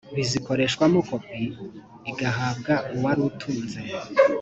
bizikoreshwamo kopi igahabwa uwari utunze